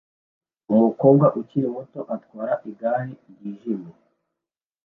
Umukobwa ukiri muto atwara igare ryijimye